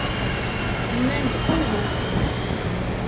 Nnan-d uhu.